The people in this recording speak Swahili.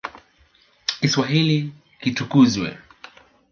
Kiswahili kitukuzwe.